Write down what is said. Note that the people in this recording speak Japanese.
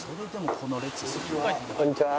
こんにちは。